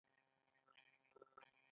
په دوو پښو درېدل او توازن ساتل سخت وو.